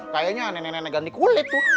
kayaknya aneh aneh ganti kulit tuh